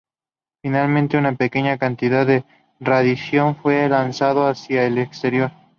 Finalmente, una pequeña cantidad de radiación fue lanzado hacia el exterior.